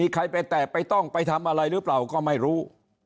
ใครไปแตะไปต้องไปทำอะไรหรือเปล่าก็ไม่รู้